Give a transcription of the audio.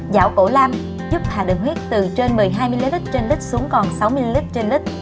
giảo cổ lam giúp hạ đường huyết từ trên một mươi hai ml trên lít xuống còn sáu ml trên lít